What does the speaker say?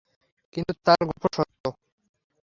কিন্তু তার গল্প সত্য।